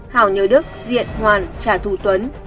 hảo nhớ đức diện hoàn trả thù tuấn